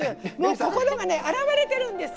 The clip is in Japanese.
心が洗われてるんです。